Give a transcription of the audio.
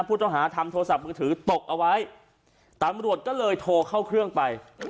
ผู้ต้องหาทำโทรศัพท์มือถือตกเอาไว้ตำรวจก็เลยโทรเข้าเครื่องไป